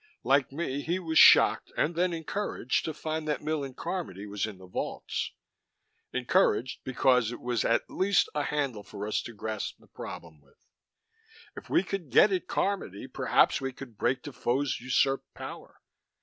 Like me, he was shocked and then encouraged to find that Millen Carmody was in the vaults encouraged because it was at least a handle for us to grasp the problem with; if we could get at Carmody, perhaps we could break Defoe's usurped power.